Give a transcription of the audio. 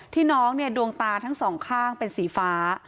ที่น้องดวงตาทั้งสองข้างเป็นสีฟ้า